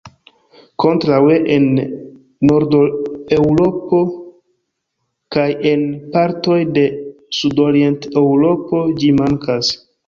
Kontraŭe en Nord-Eŭropo kaj en partoj de Sudorient-Eŭropo ĝi mankas.